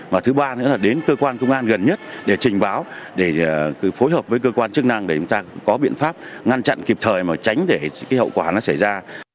và thứ ba nữa là đến cơ quan công an gần nhất để trình báo để phối hợp với cơ quan chức năng để chúng ta có biện pháp ngăn chặn kịp thời mà tránh để cái hậu quả nó xảy ra